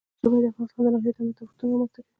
ژمی د افغانستان د ناحیو ترمنځ تفاوتونه رامنځ ته کوي.